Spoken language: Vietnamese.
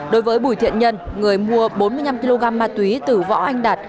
đối với bùi thiện nhân người mua bốn mươi năm kg ma túy từ võ anh đạt